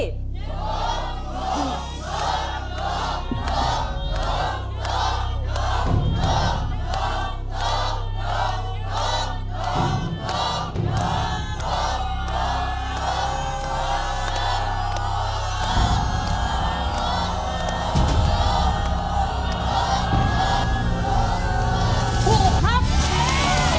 จบจบจบ